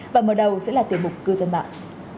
và mở đầu sẽ là tiểu mục cư dân mạng